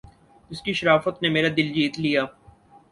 اس کی شرافت نے میرا دل جیت لیا